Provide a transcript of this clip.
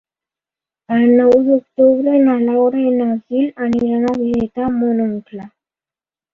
El nou d'octubre na Laura i en Gil aniran a visitar mon oncle.